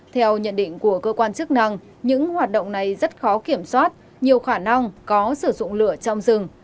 theo nhận định của cơ quan chức năng những hoạt động này rất khó kiểm soát nhiều khả năng có sử dụng lửa trong rừng